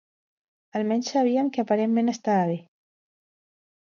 Almenys sabíem que aparentment estava bé.